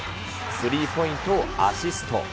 スリーポイントをアシスト。